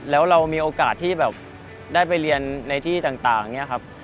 แล้วเรามีโอกาสที่แบบได้ไปเรียนในที่ต่างอย่างนี้ครับ